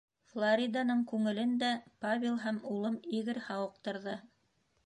Флориданың күңелен дә Павел һәм улым Игорь һауыҡтырҙы.